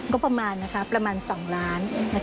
ก็ประมาณ๒ล้านบาท